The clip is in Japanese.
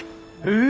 え！